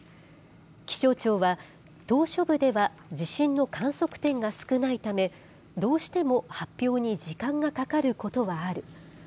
気象庁は、島しょ部では地震の観測点が少ないため、どうしても発表に時間がかかることはある。